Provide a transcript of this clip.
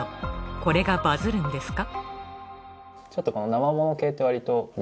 これがバズるんですか？